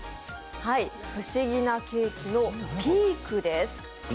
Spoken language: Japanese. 不思議なケーキのＰｅａｋです。